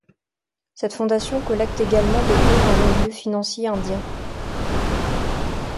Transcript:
Cette fondation collecte également des dons dans les milieux financiers indiens.